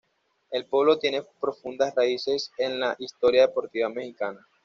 El polo tiene profundas raíces en la historia deportiva mexicana.